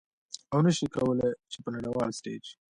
او نشي کولې چې په نړیوال ستیج